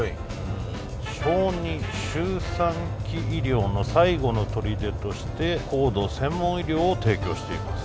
小児周産期医療の最後のとりでとして高度専門医療を提供しています。